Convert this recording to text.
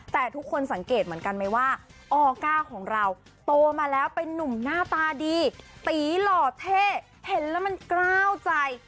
แต่ทุกคนสังเกตเหมือนกันไหมว่าออก้าของเราโตมาแล้วเป็นนุ่มหน้าตาดีตีหล่อเท่เห็นแล้วมันกล้าวใจ